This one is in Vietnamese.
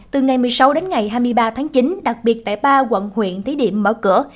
từ ngày một mươi sáu đến ngày hai mươi ba tháng chín đặc biệt tại ba quận huyện thí điểm mở cửa